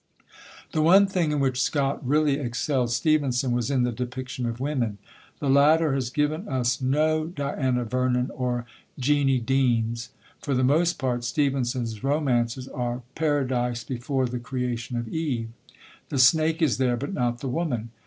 The one thing in which Scott really excelled Stevenson was in the depiction of women. The latter has given us no Diana Vernon or Jeannie Deans. For the most part, Stevenson's romances are Paradise before the creation of Eve. The snake is there, but not the woman.